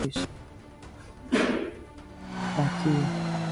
More elaborate musical settings of the choir's parts may also be used.